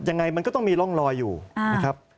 ยังไงมันก็ต้องมีร่องรอยอยู่นะครับ